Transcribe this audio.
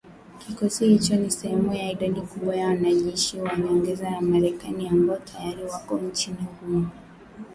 Kikosi hicho ni sehemu ya idadi kubwa ya wanajeshi wa nyongeza wa Marekani ambao tayari wako nchini humo